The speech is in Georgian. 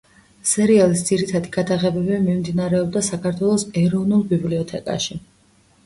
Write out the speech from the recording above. სერიალის ძირითადი გადაღებები მიმდინარეობდა საქართველოს ეროვნული ბიბლიოთეკაში.